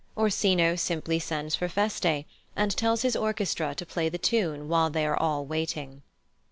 Orsino simply sends for Feste, and tells his orchestra to play the tune while they are all waiting.